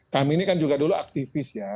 kami ini kan juga dulu aktivis ya